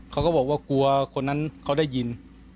เขาก็บอกว่ากลัวคนนั้นเขาได้ยิน